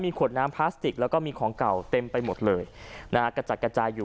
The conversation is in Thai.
ขวดน้ำพลาสติกแล้วก็มีของเก่าเต็มไปหมดเลยนะฮะกระจัดกระจายอยู่